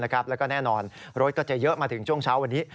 แล้วก็แน่นอนรถก็จะเยอะมาถึงช่วงเช้าวันนี้